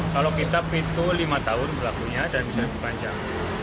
kalau kitap itu lima tahun berlakunya dan bisa berpanjang